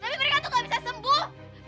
tapi mereka tuh gak bisa sembuh